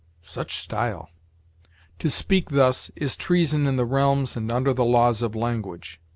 [Such style!] To speak thus is treason in the realms and under the laws of language."